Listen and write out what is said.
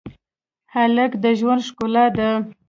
هلک د ژوند ښکلا ده.